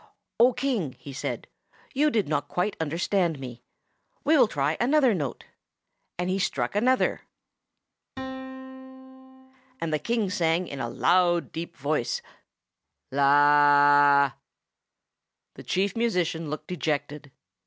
"O King," he said, "you did not quite understand me. We will try another note." And he struck another: The King sang, in a loud, deep voice, The Chief Musician looked dejected.